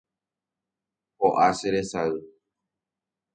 ho'a che resay